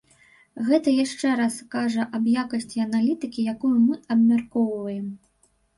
Гэта яшчэ раз кажа аб якасці аналітыкі, якую мы абмяркоўваем.